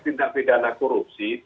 tentang pidana korupsi